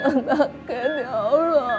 maksudnya mbak cat ya allah